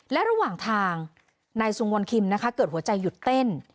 และระหว่างทางนายสุงวนคิมนะคะเกิดหัวใจหยุดเต้น